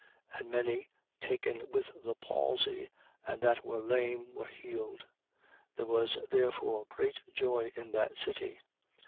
8:8. And many, taken with the palsy, and that were lame, were healed. 8:9. There was therefore great joy in that city.